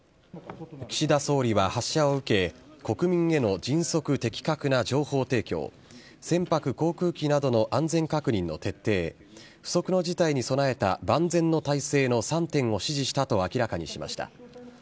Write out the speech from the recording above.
岸田総理は発射を受け、国民への迅速・的確な情報提供、船舶・航空機などの安全確認の徹底、不測の事態に備えた万全の態勢の３点を指示したと明らかにしました。